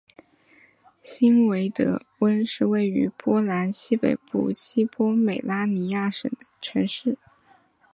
希维德温是位于波兰西北部西波美拉尼亚省的城市。